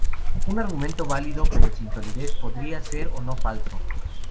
Un argumento válido pero sin solidez podría ser o no falso.